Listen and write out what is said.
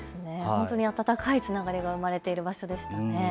本当に温かいつながりが生まれている場所でしたね。